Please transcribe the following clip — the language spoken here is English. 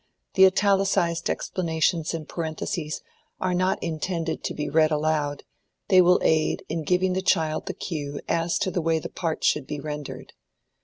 The italicized explanations in parentheses are not intended to be read aloud; they will aid in giving the child the cue as to the way the part should be rendered.